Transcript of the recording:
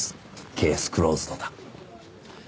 ケースクローズドだ。